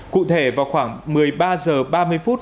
cụ thể vào khoảng một mươi ba h ba mươi phút